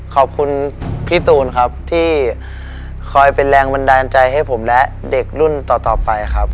ขอบคุณพี่ตูนครับที่คอยเป็นแรงบันดาลใจให้ผมและเด็กรุ่นต่อไปครับ